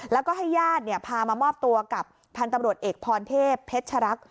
แล้วก็ให้ญาติพามาออกมาความสมบัติกับท่านตำรวจเอกพรเทพเพชรรค